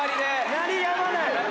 「鳴りやまない！」